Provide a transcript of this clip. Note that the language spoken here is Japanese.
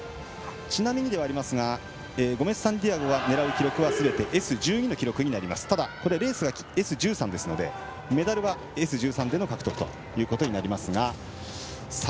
ちなみにではありますがゴメスサンティアゴが狙う記録はすべてＳ１２の記録になりますがただ、レースがＳ１３ですのでメダルはＳ１３での獲得となりますが。